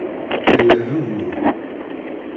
Aya d ugur.